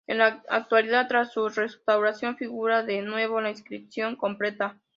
En la actualidad, tras su restauración figura de nuevo la inscripción completa.